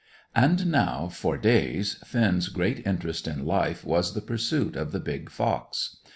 And now, for days, Finn's great interest in life was the pursuit of the big fox.